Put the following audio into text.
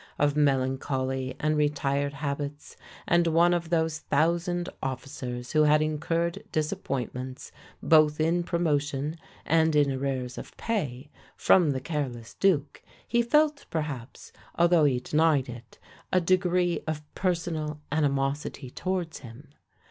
Of melancholy and retired habits, and one of those thousand officers who had incurred disappointments, both in promotion and in arrears of pay, from the careless duke, he felt, perhaps, although he denied it, a degree of personal animosity towards him.